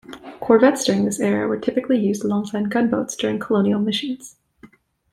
Corvettes during this era were typically used alongside gunboats during colonial missions.